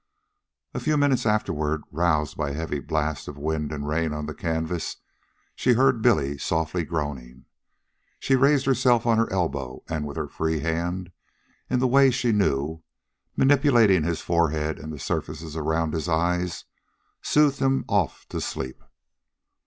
A few minutes afterward, roused by a heavy blast of wind and rain on the canvas, she heard Billy softly groaning. She raised herself on her elbow and with her free hand, in the way she knew, manipulating his forehead and the surfaces around his eyes, soothed him off to sleep.